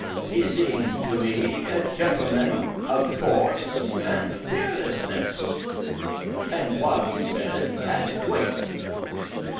He seemed to me a gentleman of force and fearlessness, and what he said had weight.